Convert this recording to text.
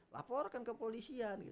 laporkan ke polisian